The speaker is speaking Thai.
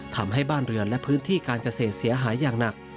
ทำให้บ้านเรือนและพื้นที่การเกษตรเสียหายอย่างหนัก